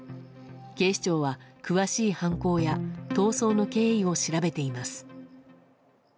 警視庁は詳しい犯行や逃走の経緯を調べています。